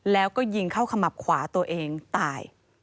แล้วก็ยิงเข้าขมับขวาตัวเองตาย